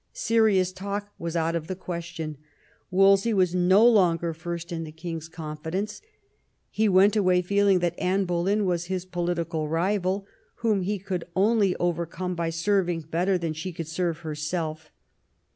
Serious talk was out of the question. Wolsey was no longer first in the king's confidence. He went away feeling that Anne Boleyn was his political rival, whom he could only overcome by serving better than she could serve herself.